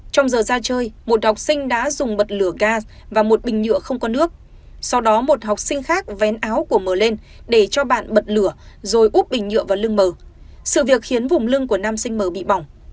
trong giờ ra chơi một học sinh đã dùng bật lửa gaz và một bình nhựa không có nước sau đó một học sinh khác vén áo của mờ lên để cho bạn bật lửa rồi úp bình nhựa vào lưng bờ sự việc khiến vùng lưng của nam sinh mờ bị bỏng